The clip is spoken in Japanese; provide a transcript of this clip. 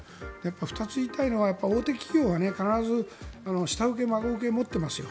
２つ言いたいのは大手企業は必ず下請け、孫請けを持っていますよ。